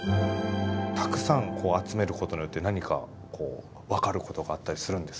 たくさん集めることによって何か分かることがあったりするんですか？